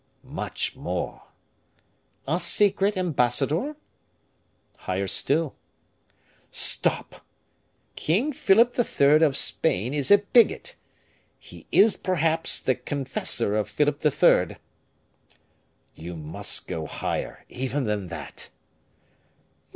"Much more." "A secret ambassador?" "Higher still." "Stop King Phillip III. of Spain is a bigot. He is, perhaps, the confessor of Phillip III." "You must go higher even than that."